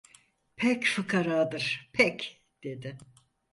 Pek fıkaradır, pek! dedi.